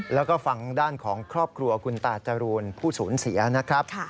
แล้วก็ฝั่งด้านของครอบครัวคุณตาจรูนผู้สูญเสียนะครับ